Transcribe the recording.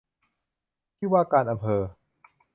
ที่ว่าการอำเภอ